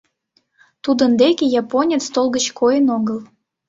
Тудын деке японец толгыч койын огыл.